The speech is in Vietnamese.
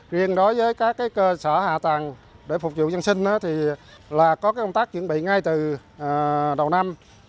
riêng đối với các cơ sở hạ tầng để phục vụ dân sinh thì có công tác chuẩn bị ngay từ đầu năm